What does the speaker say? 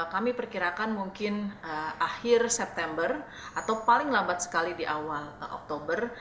kami perkirakan mungkin akhir september atau paling lambat sekali di awal oktober